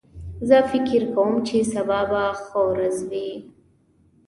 زه فکر کوم چې سبا به ښه ورځ وي